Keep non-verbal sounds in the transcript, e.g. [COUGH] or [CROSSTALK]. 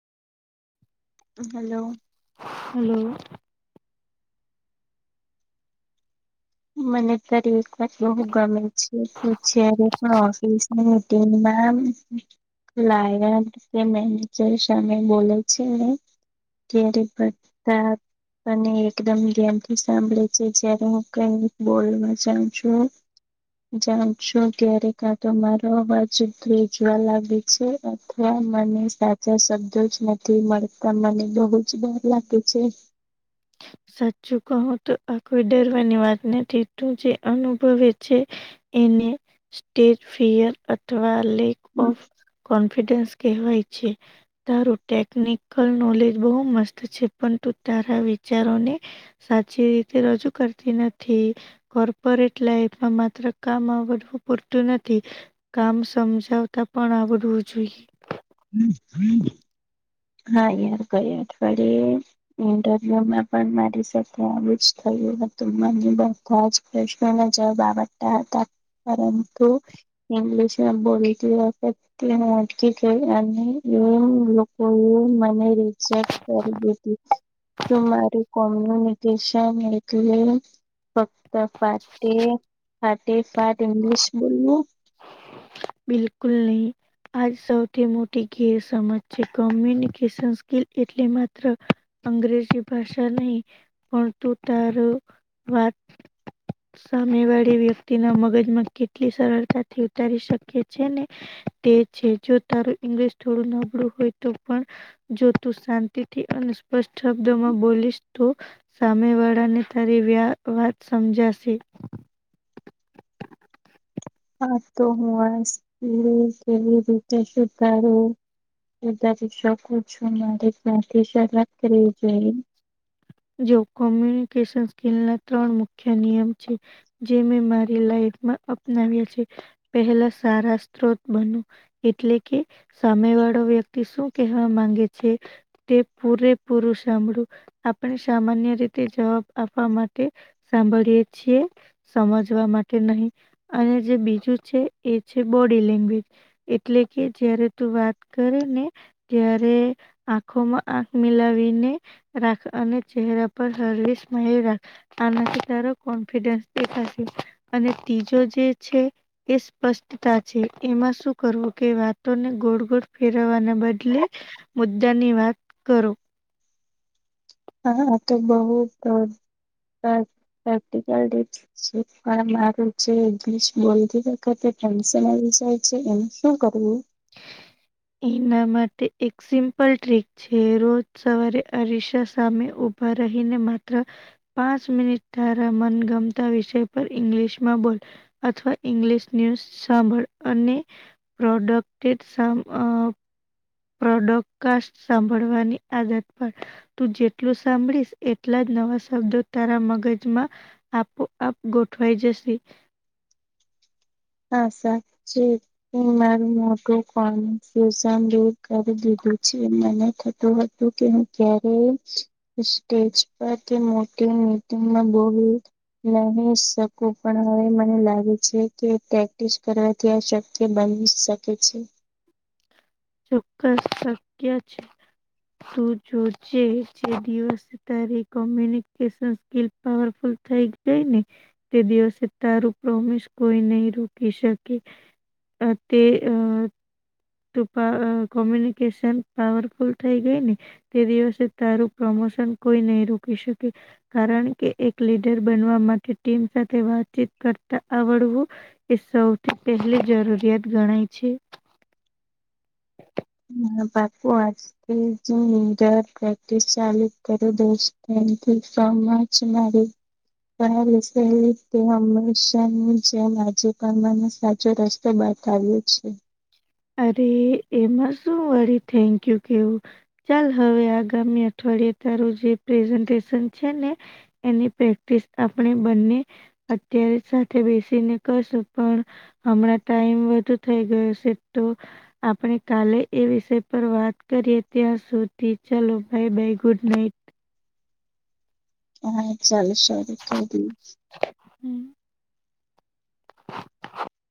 Hello hello મને ત્યારે એક વાર બુ ગમે છે ત જ્યારે હ ઓફીસ મીટિંગ મેમ લ મેનેજર શમે બોલે છે ક્યારેક પતા અને એકદમ ધ્યાનથી સાંભળે છે જયારે હું કઈ બોલવા સાચું જાણશો ત્યારે કા તો મારો અવાજ ભેજવા લાગે અથવા મને સાચા શબ્દો જ નથી મળતા મને બહુ જ ડર લાગે છે સાચું કહું તો આ કોઈ ડરવાની વાત નથી તું જે અનુભવે છે એને સ્ટેજ ફિયર અથવા લેક ઓફ કોન્ફિડેન્સ કહેવાય છે તારું ટેકનિકલ નોલેજ બહુ મસ્ત છે પણ તુ તારા વિચારોને સાચી રીતે રજૂ કરતી નથી કોર્પોરેટ લાઈફમાં માત્ર કામ આવડવું પૂરતું નથી. કામ સમજાવતા પણ આવડવું જોઈએ. હમ હમ હા યાર, ગયા અઠવાડિયે ઇન્ટરવ્યુમાં પણ મારી સાથે આવું જ થયું હતું, માંણીબા પાંચ પ્રશ્ન ના જવાબ આવડતા હતા પરંતુ ઈગ્લિશમાં બોલતી વકથે હું અટકી ગઈ અને બો લોક તેઓ એ મને રિજેક્ટ કરી દીધી. તું મારી કોમ્યુનિકેશન એટલે ફક્ત ફાટે ફાટે ફાટ ઇંગ્લિશ બોલવું બિલકુલ નહી. આજ સૌથી મોટી ઘેરસમજ છે. કોમ્યુનિકેશન સ્કીિલ એટલે માત્ર અંગ્રેજી ભાષા નહી પણ તું તારું વાત સામેવાળી વ્યક્તિના મગજમાં કેટલી સરળતાથી ઉતારી શક કે છે ને તે છે જો તારું ઈંગ્લિશ થોડું નબળું હોય તો પણ જો તું શાંતિથી અને સ્પષ્ટ શબ્દમાં બોલીશ તો સામેવાડાને તારી વ્યા વાત સમજાશે હા, તો હું આ સ્કીલ કેવી રીતે શીખાડું બ [UNINTELLIGIBLE] શકું છું મારી ત્યાથી શરૂઆત કરવી જોઈએ જો કોમ્યુનિકેશન સ્કીલના ત્રણ મુખ્ય નિયમ છે. જે મેં મારી લાઈફમાં અપનાવ્યા છે. પહેલા સારા સ્ત્રોત બનો એટલે કે સામેવાળો વ્યક્તિ શું કેહેવા માંગે છે. તે પૂરે પૂરું સાંભળું આપ પણ સામાન્ય રીતે જવાબ આપવા માટે સાંભળીએે છીએ. સમજવા માટે નહીં અને જે બીજું છે એ છે બોડી લેંગ્વેજ. એટલેકે જયારે તું વાત કરે ને ત્યારે આંખોમાં આંખ મિલાવીને રાખ અને ચહેરા પર હળવી સ્માઈલ રાખ. આનાથી તારો કોન્ફિડન્સ દેખાશે અને તીજો જે છે. એ સ્પષ્ટતા છે એમાં શું કરવું કે વાતોને ગોળ ગોળ ફેરવવાના બદલે મુદ્દાની વાત કરો. હા, આ તો બહુ પ્રેક્ટિકલ રીત છે. પણ મારું જે ઇંગ્લિશ બોલતી વખતે ટેન્શન આવી જાય છે એનું શું કરવું? એના માટે એક સિમ્પલ ટ્રીક જે રોજ સવારે અરીસા સામે ઊભા રહી ને માત્ર પાંચ મિનિટ તારા મનગમતા વિષય પર ઇંગ્લિશમાં બોલ અથવા ઇંગ્લિશ ન્યુઝ સાંભળ અને પ્રોડક્ટેડ અહ પ્રોડકકાસ્ટ સાંભળવાની આદત પાડ તું જેટલું સાંભળીશ એટલા જ નવા શબ્દો તારા મગજમાં આપોઆપ ગોઠવાય જશે હા, સાચે. તમે મારું મોટું કોનફ્યુઝન દૂર કરી દીધું છે. મને થતું હોય તું કે હું ક્યારેય સ્ટેજ પર કે મોટી મીટિંગમાં બોલવું નહીં શકું. પણ હવે મને લાગે છે કે પ્રેક્ટિસ કરવાથી આ શક્ય બની શકે છે. ચોક્કસ શક્ય છ. તું જોજે જે દિવસ તારી કોમ્યુનિકેશન સ્કીલ પાવરફુલ થઈ ગઈ ને તે દિવસે તારું પ્રોમિસ કોઈ નહીં રોકી શકે. અ તે અ. તું કર કોમ્યુનિકેશન પાવરફુલ થઈ ગઈ ને. તે દિવસે તારુ પ્રમોશન કોઈ નહી રોકી શકે. કારણ કે એક લીડર બનવા માટે ટીમ સાથે વાતચીત કરતા આવડવું એ સૌથી પહેલી જરૂરિયાત ગણાય છે. એકદમ પાકુ વાંચ. પ્રેક્ટિસ ચાલુ કરું દઉ છું. Thank you so much. જયારે. પણ આ વિશે તે હંમેશાની જેમ આજે પણ મને સાચો રસ તો બતાવ્યો છે. અરે એમાં શું વળી થેન્ક યુ કેવું. ચાલ હવે આગામી અઠવાડિયે તારું જે પ્રેઝન્ટેશન છે ને એની પ્રેક્ટિસ આપણે બંને અત્યારે જ સાથે બેસીને કરશું પણ હમણાં ટાઈમ વધુ થઈ ગયો છે તો, આપણે કાલે એ વિષય પર વાત કરીએ ત્યાં સુધી ચાલો બાય-બાય ગુડ નાઈટ. હા ચાલસે હું કરી દઈશ. હમ્મ.